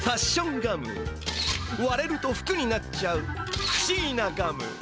われると服になっちゃうふしぎなガム。